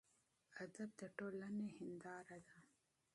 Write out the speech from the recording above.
ادب د ټولنې هینداره ده.